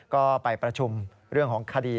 ก็ไปประชุมเรื่องของคดี